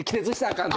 あかん。